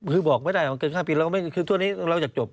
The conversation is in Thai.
คือบอกไม่ได้ว่าเกิด๕ปีแล้วคือช่วงนี้เราอยากจบ